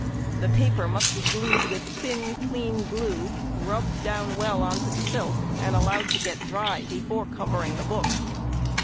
The paper must be glued with thin clean glue, rubbed down well on to the silk, and allowed to get dry, before covering the book.